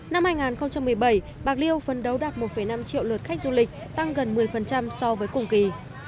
năm hai nghìn một mươi bảy bạc liêu phân đấu đạt một năm triệu lượt khách du lịch tăng gần một mươi so với cùng kỳ